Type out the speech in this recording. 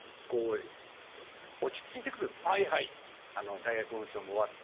大学紛争も終わって